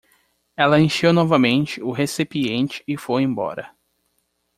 Ela encheu novamente o recipiente e foi embora.